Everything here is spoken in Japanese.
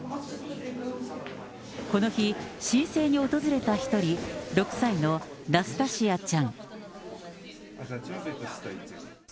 この日、申請に訪れた一人、６歳のナスタシアちゃん。